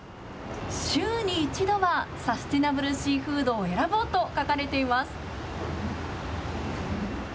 週に１度はサステナブルシーフードを選ぼうと書かれています。